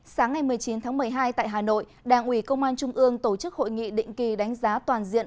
sáng ngày một mươi chín tháng một mươi hai tại hà nội đảng ủy công an trung ương tổ chức hội nghị định kỳ đánh giá toàn diện